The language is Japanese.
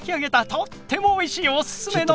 とってもおいしいおすすめの。